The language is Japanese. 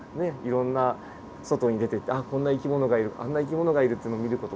いろんな外に出てってああこんな生き物がいるあんな生き物がいるっていうのを見る事。